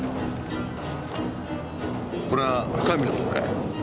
これは深見のもんかい？